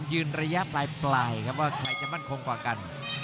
ยืนระยะปลายครับว่าใครจะมั่นคงกว่ากัน